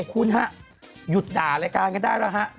คุณฮะหยุดด่ารายการก็ได้แล้วฮะ